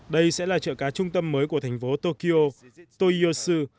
đây sẽ là chợ cá trung tâm mới của thành phố tokyo toyoshi